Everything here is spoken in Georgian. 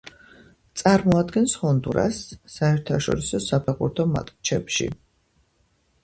წარმოადგენს ჰონდურასს საერთაშორისო საფეხბურთო მატჩებში.